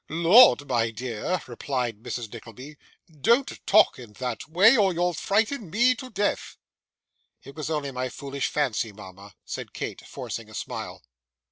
'Lord, my dear,' replied Mrs. Nickleby, 'don't talk in that way, or you'll frighten me to death.' 'It is only my foolish fancy, mama,' said Kate, forcing a smile.